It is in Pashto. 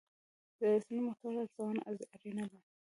د رسنیو د محتوا ارزونه اړینه ده.